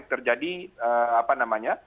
terjadi apa namanya